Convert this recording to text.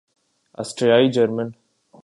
آسٹریائی German